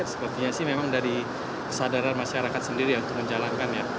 sepertinya sih memang dari kesadaran masyarakat sendiri ya untuk menjalankan ya